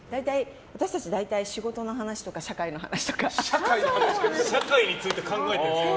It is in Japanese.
私たち大体、仕事の話とか社会について考えてるんですか。